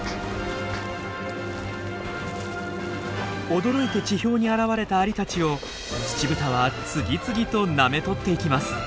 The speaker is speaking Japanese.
驚いて地表に現れたアリたちをツチブタは次々となめとっていきます。